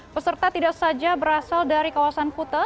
peserta tidak saja berasal dari kawasan kute